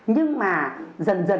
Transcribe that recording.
nhưng mà dần dần